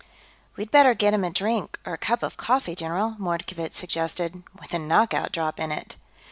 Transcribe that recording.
"We'd better get him a drink, or a cup of coffee, general," Mordkovitz suggested. "With a knockout drop in it."